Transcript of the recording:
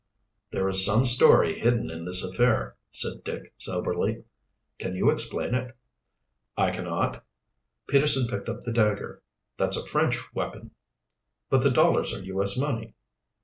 "There is some story hidden in this affair," said Dick soberly. "Can you explain it?" "I cannot." Peterson picked up the dagger. "That's a French weapon." "But the dollars are U. S. money."